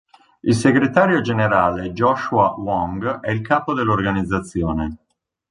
Il segretario generale Joshua Wong è il capo dell'organizzazione.